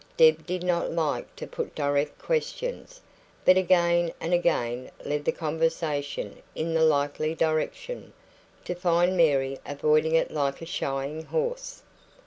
Deb did not like to put direct questions, but again and again led the conversation in the likely direction, to find Mary avoiding it like a shying horse.